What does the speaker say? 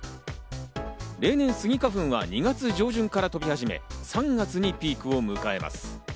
例年、スギ花粉は２月上旬から飛び始め、３月にピークを迎えます。